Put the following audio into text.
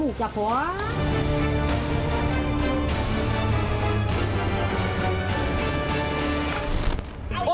วิทยาลัยศาสตร์อัศวิทยาลัยศาสตร์